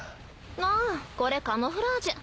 あぁこれカムフラージュ。